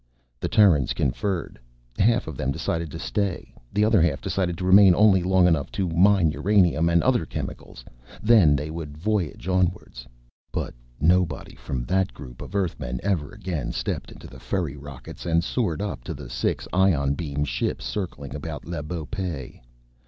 The Terrans conferred. Half of them decided to stay; the other half decided to remain only long enough to mine uranium and other chemicals. Then they would voyage onwards. But nobody from that group of Earthmen ever again stepped into the ferry rockets and soared up to the six ion beam ships circling about Le Beau Pays.